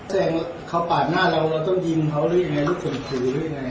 แสดงว่าเขาปาดหน้าเราเราต้องยิงเขาหรือยังไงแล้วข่มขืนหรือยังไง